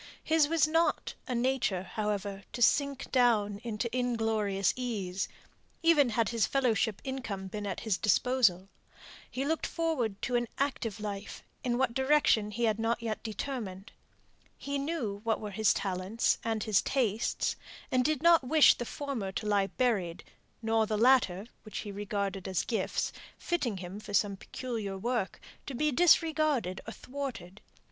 His was not a nature, however, to sink down into inglorious ease, even had his fellowship income been at his disposal. He looked forward to an active life; in what direction he had not yet determined. He knew what were his talents and his tastes; and did not wish the former to lie buried, nor the latter, which he regarded as gifts, fitting him for some peculiar work, to be disregarded or thwarted.